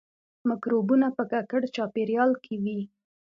مکروبونه په ککړ چاپیریال کې وي